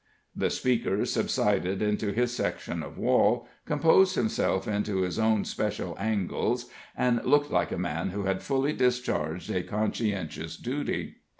The speaker subsided into his section of wall, composed himself into his own especial angles, and looked like a man who had fully discharged a conscientious duty.